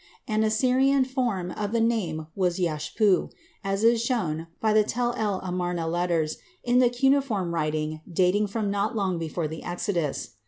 An Assyrian form of the name was yashpu, as is shown by the Tell el Amarna letters in the cuneiform writing dating from not long before the Exodus.